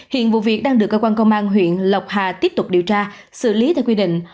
hiện vụ việc đang được cơ quan công an huyện lộc hà tiếp tục điều tra xử lý theo quy định